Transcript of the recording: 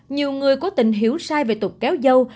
nhiều người có tình hiểu sai về tục kéo dâu